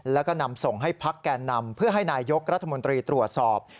แล้วก็นำส่งให้พักแก่นำเพื่อให้นายยกรัฐมนตรีตรวจสอบ